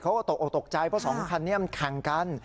เขาก็ตกออกตกใจเพราะสองคันนี้มันแข่งกัน